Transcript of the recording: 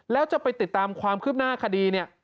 แล้วจะไปติดตามความคืบหน้าคดีเนี่ย